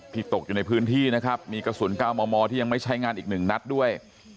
ตกอยู่ในพื้นที่นะครับมีกระสุน๙มมที่ยังไม่ใช้งานอีก๑นัดด้วย